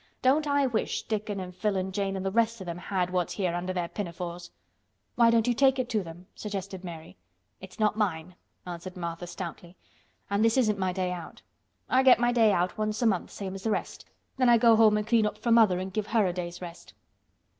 don't I wish Dickon and Phil an' Jane an' th' rest of 'em had what's here under their pinafores." "Why don't you take it to them?" suggested Mary. "It's not mine," answered Martha stoutly. "An' this isn't my day out. I get my day out once a month same as th' rest. Then I go home an' clean up for mother an' give her a day's rest."